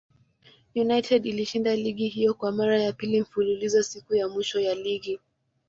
United ilishinda ligi hiyo kwa mara ya pili mfululizo siku ya mwisho ya ligi.